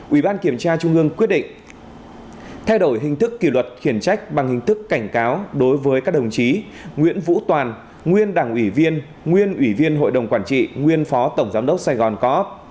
ủy ban kiểm tra trung ương quyết định thay đổi hình thức kỷ luật khiển trách bằng hình thức cảnh cáo đối với các đồng chí nguyễn vũ toàn nguyên đảng ủy viên nguyên ủy viên hội đồng quản trị nguyên phó tổng giám đốc sài gòn coop